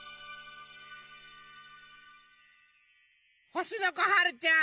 ほしのこはるちゃん！